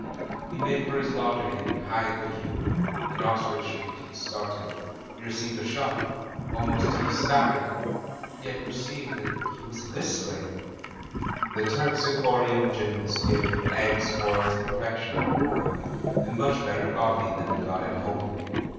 He made for his lodging in high good humour. In Oxford Street he started, he received a shock, almost he staggered — ^he had perceived that he was whistling! The terpsichorean gj^mnast gave him eggs boiled to perfection in the morning, and much better coffee than he got at home.